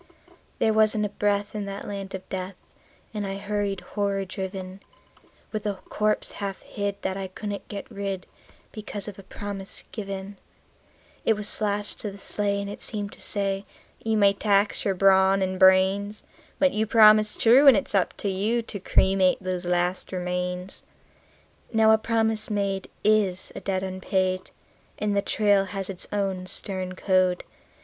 There wasn't a breath in that land of death, and I hurried, horror driven, With a corpse half hid that I couldn't get rid, because of a promise given; It was lashed to the sleigh, and it seemed to say: "You may tax your brawn and brains, But you promised true, and it's up to you to cremate those last remains." Now a promise made is a debt unpaid, and the trail has its own stern code.